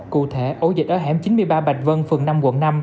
cụ thể ổ dịch ở hẻm chín mươi ba bạch vân phường năm quận năm